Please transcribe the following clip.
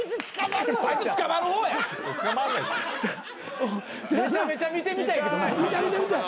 めちゃめちゃ見てみたい。